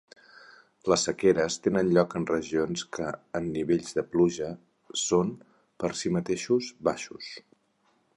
Les sequeres tenen lloc en regions en què els nivells de pluja són, per si mateixos, baixos.